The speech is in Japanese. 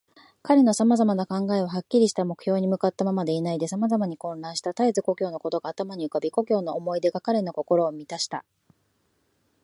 彼のさまざまな考えは、はっきりした目標に向ったままでいないで、さまざまに混乱した。たえず故郷のことが頭に浮かび、故郷の思い出が彼の心をみたした。